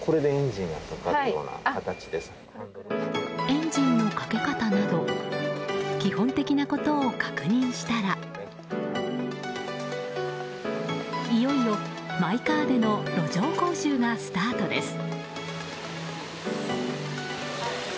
エンジンのかけ方など基本的なことを確認したらいよいよ、マイカーでの路上講習がスタートです。